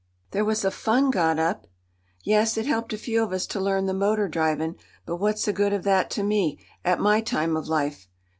"There was a fund got up." "Yes, it helped a few of us to learn the motor drivin'; but what's the good of that to me, at my time of life?